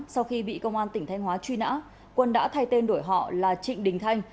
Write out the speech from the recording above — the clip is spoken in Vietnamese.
sau khi bị công an tỉnh thanh hóa truy nã quân đã thay tên đổi họ là trịnh đình thanh